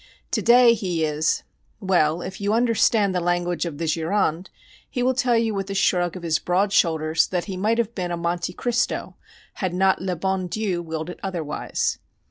To day he is well, if you understand the language of the Gironde, he will tell you with a shrug of his broad shoulders that he might have been a Monte Cristo had not le bon Dieu willed it otherwise.